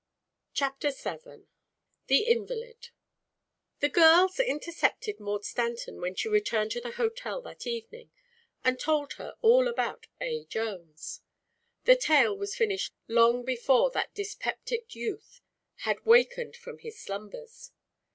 CHAPTER VII THE INVALID The girls intercepted Maud Stanton when she returned to the hotel that evening, and told her all about A. Jones. The tale was finished long before that dyspeptic youth had wakened from his slumbers.